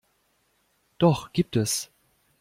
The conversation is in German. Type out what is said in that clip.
Doch gibt es.